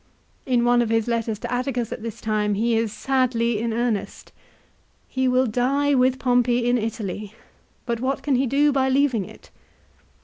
In one of his letters to Atticus at this time he is sadly in earnest. He will die with Pompey in Italy, but what can he do by leaving it